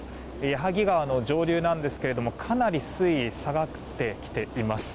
矢作川の上流なんですがかなり水位下がってきています。